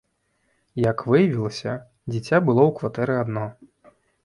Як выявілася, дзіця было ў кватэры адно.